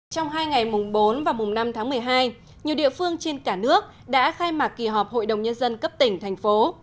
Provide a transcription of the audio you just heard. trong hai ngày mùng bốn và mùng năm tháng một mươi hai nhiều địa phương trên cả nước đã khai mạc kỳ họp hội đồng nhân dân cấp tỉnh thành phố